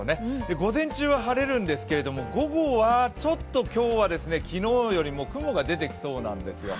午前中は晴れるんですけど午後はちょっと昨日よりも雲が出てきそうなんですよ。